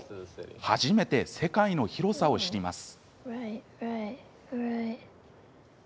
初めて世界の広さを知ります。